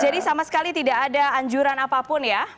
jadi sama sekali tidak ada anjuran apapun ya